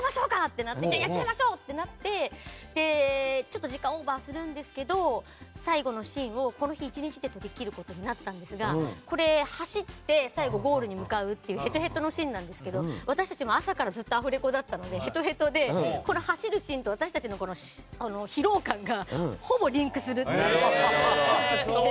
やっちゃいましょう！ってなってちょっと時間をオーバーするんですけど最後のシーンをこの日１日で撮りきることになったんですが走って、最後にゴールに向かうへとへとのシーンですが私たちも朝からアフレコだったのでヘトヘトで走るシーンと私たちの疲労感がほぼリンクするという。